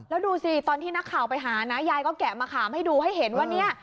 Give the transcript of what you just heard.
แล้วดูสิตอนที่นักข่าวไปหานะยายก็แกะมะขามให้ดูให้เห็นว่าเนี่ย